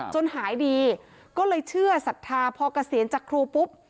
จนหายดีก็เลยเชื่อศรัทธาพอเกษียณจากครูปุ๊บ